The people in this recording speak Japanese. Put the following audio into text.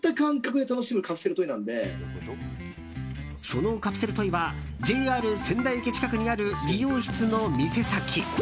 そのカプセルトイはＪＲ仙台駅近くにある理容室の店先。